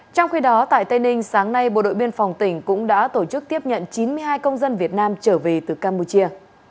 trong khi đó tại tây ninh sáng nay bộ đội biên phòng tỉnh cũng đã tổ chức tiếp nhận chín mươi hai công dân việt nam trở về từ campuchia